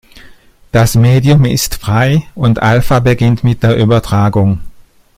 Das Medium ist frei und "Alpha" beginnt mit der Übertragung.